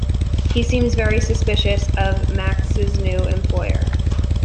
He seems very suspicious of Maks's new employers.